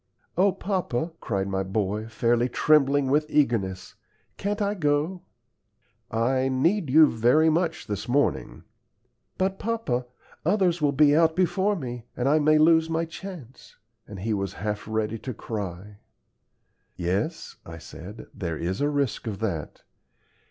"O papa," cried my boy, fairly trembling with eagerness, "can't I go?" "I need you very much this morning." "But, papa, others will be out before me, and I may lose my chance;" and he was half ready to cry. "Yes," I said; "there is a risk of that.